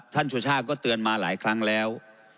สุชาติก็เตือนมาหลายครั้งแล้ว